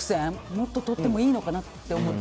もっととってもいいのかなって思って。